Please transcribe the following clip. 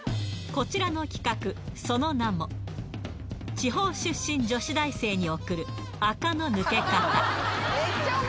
こちらの企画、その名も、地方出身女子大生に送る、アカの抜け方。